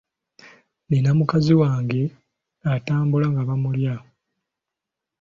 Nina mukazi wange; atambula nga bamulya.